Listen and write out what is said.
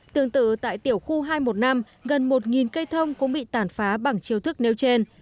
tương tự tại tiểu khu hai trăm một mươi năm gần một cây thông cũng bị tàn phá bằng chiêu thức nêu trên